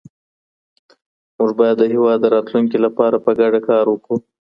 موږ بايد د هېواد د راتلونکي لپاره په ګډه کار وکړو.